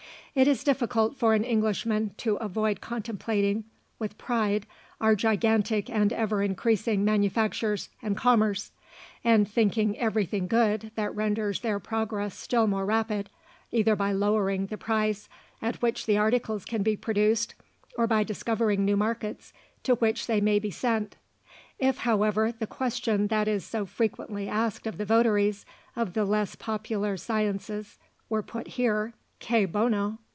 It is difficult for an Englishman to avoid contemplating with pride our gigantic and ever increasing manufactures and commerce, and thinking everything good that renders their progress still more rapid, either by lowering the price at which the articles can be produced, or by discovering new markets to which they may be sent. If, however, the question that is so frequently asked of the votaries of the less popular sciences were put here "Cui bono?"